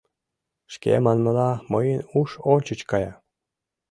Шке манмыла, мыйын уш ончыч кая.